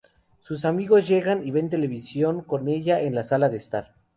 Sus amigos llegan y ven televisión con ella en la sala de estar.